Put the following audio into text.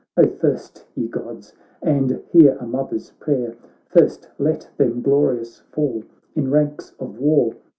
Oh, first, ye Gods I and hear a mother's prayer. First let them glorious fall in ranks of war